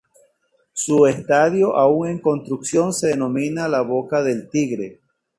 Su Estadio aún en construcción se denomina "La Boca del Tigre".